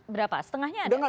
berapa setengahnya ada